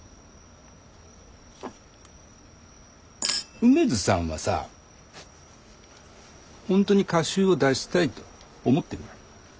梅津さんはさぁ本当に歌集を出したいと思ってる？